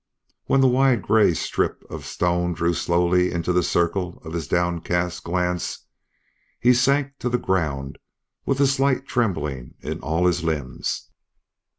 When the wide gray strip of stone drew slowly into the circle of his downcast gaze he sank to the ground with a slight trembling in all his limbs.